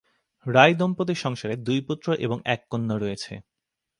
রায় দম্পতির সংসারে দুই পুত্র এবং এক কন্যা রয়েছে।